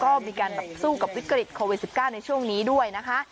ก็มีการสู้กับวิกฤตโควิด๑๙ในช่วงนี้ด้วยนะคะ